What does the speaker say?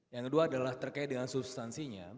yang kedua adalah terkait dengan substansinya